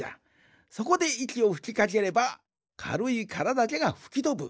そこでいきをふきかければかるいカラだけがふきとぶ。